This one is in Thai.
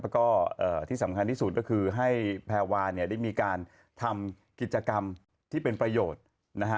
แล้วก็ที่สำคัญที่สุดก็คือให้แพรวาเนี่ยได้มีการทำกิจกรรมที่เป็นประโยชน์นะฮะ